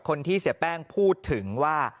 คนที่เสียแป้งพูดถึงว่า